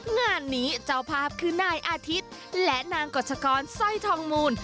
งานนี้เจ้าภาพคือนายอาทิตย์และนางกฎชกรสร้อยทองมูล